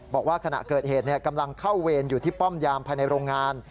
บอกว่าขณะเกิดเหตุกำลังเข้าเวรอยู่ที่ป้อมยามภายในโรงงาน